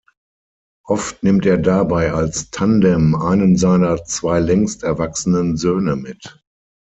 Oft nimmt er dabei als Tandem einen seiner zwei längst erwachsenen Söhne mit.